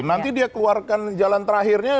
nanti dia keluarkan jalan terakhirnya